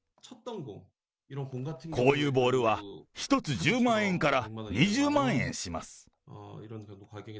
こういうボールは、１つ１０万円から２０万円します。